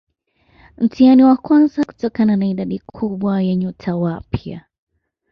Mtihani wa kwanza kutokana na idadi kubwa ya nyota wapya